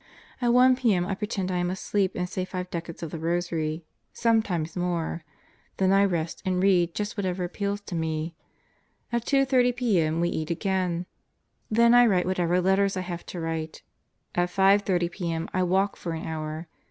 At 1 p.m. I pretend I am asleep and say five decades of the rosary sometimes more. Then I rest and read just whatever appeals to me. At 2:30 p.m. we eat again. Then I write whatever letters I have to write. At 5:30 p.m. I walk for an hour.